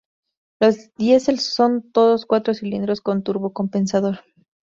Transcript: Los Diesel son todos cuatro cilindros con turbocompresor.